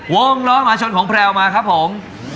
วงล้อมหาชนของแพลวมาครับผม